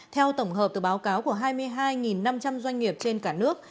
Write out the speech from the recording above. theo tổng hợp từ báo cáo của hai mươi hai năm trăm linh doanh nghiệp trên cả nước